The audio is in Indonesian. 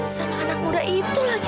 sama anak muda itu lagi